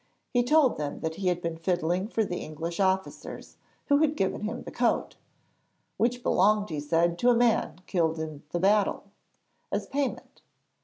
He told them that he had been fiddling for the English officers, who had given him the coat (which belonged, he said, to a man killed in the battle) as payment.